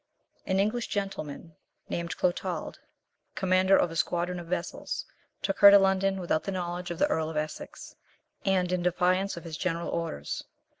An English gentleman, named Clotald, commander of a squadron of vessels, took her to London without the knowledge of the Earl of Essex, and in defiance of his general orders.